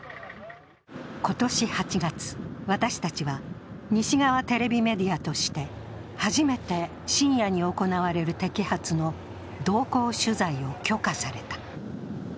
今年８月、私たちは西側テレビメディアとして初めて深夜に行われる摘発の同行取材を許可された。